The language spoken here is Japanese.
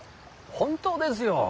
本当ですよ！